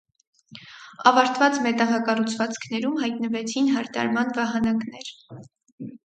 Ավարտված մետաղակառուցվածքներում հայտնվեցին հարդարման վահանակներ։